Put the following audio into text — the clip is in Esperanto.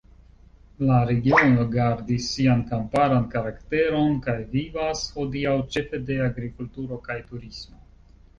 La regiono gardis sian kamparan karakteron kaj vivas hodiaŭ ĉefe de agrikulturo kaj turismo.